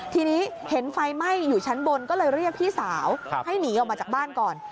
ทีนี้เห็นไฟไหม้อยู่ชั้นบนก็เลยเรียกพี่สาวให้หนีออกมาจากบ้านก่อน